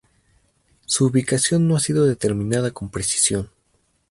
Su ubicación no ha sido determinada con precisión.